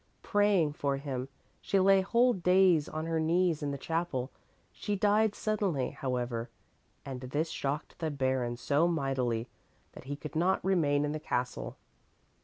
Praying for him, she lay whole days on her knees in the chapel. She died suddenly, however, and this shocked the baron so mightily that he could not remain in the castle.